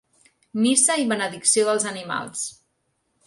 Missa i benedicció dels animals.